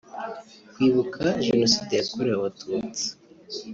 kwibuka Jenoside yakorewe abatutsi